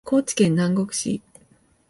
高知県南国市